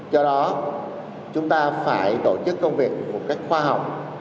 do đó chúng ta phải tổ chức công việc một cách khoa học